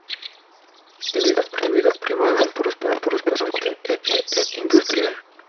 En su actividad privada fue un próspero comerciante e industrial.